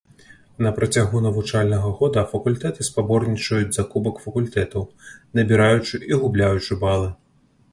На працягу навучальнага года факультэты спаборнічаюць за кубак факультэтаў, набіраючы і губляючы балы.